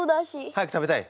早く食べたい？